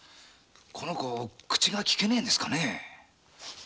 この子口がきけねぇんですかね？